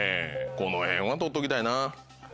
この辺は取っときたいな。